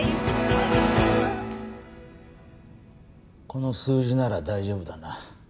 この数字なら大丈夫だな。